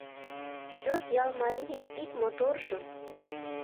Йот ял марийын ик моторжым.